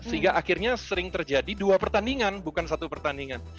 sehingga akhirnya sering terjadi dua pertandingan bukan satu pertandingan